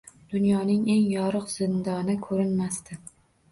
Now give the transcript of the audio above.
Dunyoning eng yorug’ zindoni ko’rinmasdi.